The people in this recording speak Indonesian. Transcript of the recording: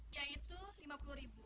yaitu lima puluh ribu